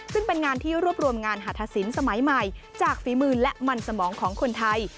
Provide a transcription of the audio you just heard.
ซึ่งเป็นงานที่รวบรวมงานหัฐศิลป์สมัยใหม่จากฝีมือและมันสมองของคนไทย